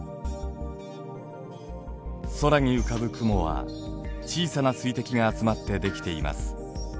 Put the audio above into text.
空に浮かぶ雲は小さな水滴が集まって出来ています。